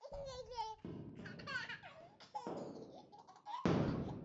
茨韦尔法克兴是奥地利下奥地利州维也纳城郊县的一个市镇。